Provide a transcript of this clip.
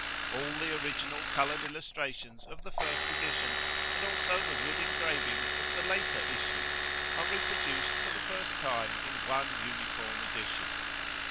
All the original coloured illustrations of the first edition, and also the wood engravings of the later issues, are reproduced for the first time in one uniform edition.